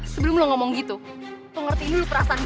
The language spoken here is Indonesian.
sebelum lo ngomong gitu lo ngertiin dulu perasaan gue